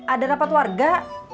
ada rapat warga